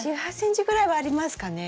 １８ｃｍぐらいはありますかね。